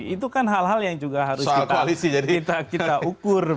itu kan hal hal yang juga harus kita ukur